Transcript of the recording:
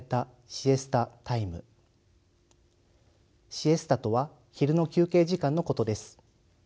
シエスタとは昼の休憩時間のことです。